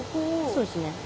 そうですね。